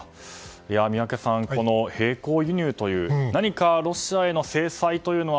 宮家さん、この並行輸入という何かロシアへの制裁には